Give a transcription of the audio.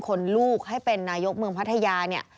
คนลูกให้เป็นนายยกเมืองพัทยา